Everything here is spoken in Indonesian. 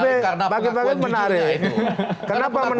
iya itu bagi pkb menarik